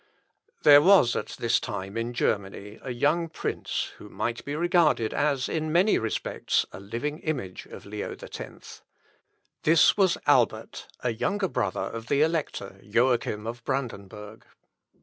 There was at this time in Germany a young prince who might be regarded as in many respects a living image of Leo X. This was Albert, a younger brother of the elector, Joachim of Brandenburg.